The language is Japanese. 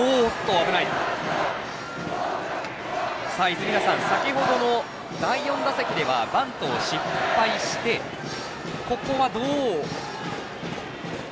泉田さん、先ほどの第４打席ではバントを失敗してここはどう。